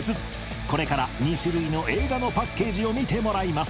これから２種類の映画のパッケージを見てもらいます